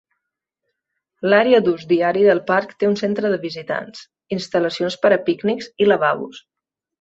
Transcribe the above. L"àrea d"ús diari del parc té un centre de visitants, instal·lacions per a pícnics i lavabos.